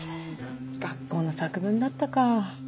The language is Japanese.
学校の作文だったか。